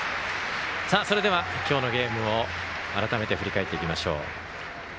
それでは、今日のゲームを改めて振り返っていきましょう。